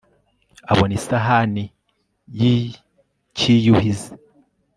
Abona isahani yicyiyuhize